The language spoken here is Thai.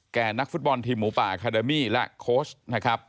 นักฟุตบอลทีมหมูป่าคาเดมี่และโค้ชนะครับ